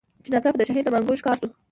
چي ناڅاپه د شاهین د منګول ښکار سو